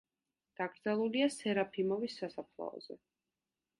დაკრძალულია სერაფიმოვის სასაფლაოზე.